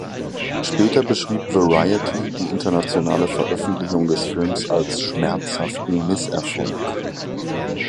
Später beschrieb "Variety" die internationale Veröffentlichung des Films als "schmerzhaften Misserfolg".